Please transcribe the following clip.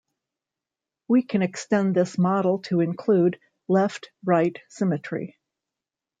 We can extend this model to include left-right symmetry.